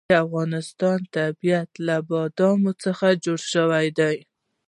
د افغانستان طبیعت له بادام څخه جوړ شوی دی.